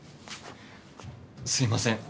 すいません。